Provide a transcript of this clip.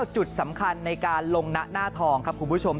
จุดสำคัญในการลงนะหน้าทองครับคุณผู้ชม